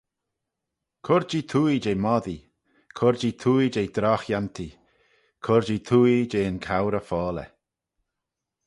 Cur-jee twoaie jeh moddee, cur-jee twoaie jeh drogh-yantee, cur-jee twoaie jeh'n cowrey-foalley.